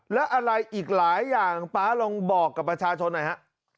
แล้วอะไรอีกหลายอย่างป๊าลองบอกกับประชาชนหน่อยฮะ